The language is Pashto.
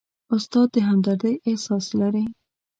استاد د همدردۍ احساس لري.